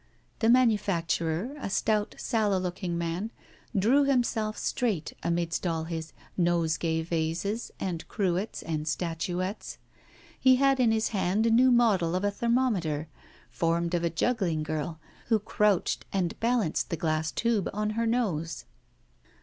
The manufacturer, a stout, sallow looking man, drew himself straight amidst all his nosegay vases and cruets and statuettes. He had in his hand a new model of a thermometer, formed of a juggling girl who crouched and balanced the glass tube on her nose.